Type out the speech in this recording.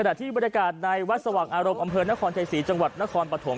ขณะที่บริการในวัดสวักอารมณ์อำเภอนครไทย๔จังหวัดนครปฐม